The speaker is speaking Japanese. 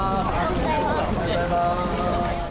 おはようございます。